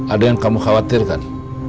ada yang kamu khawatirkan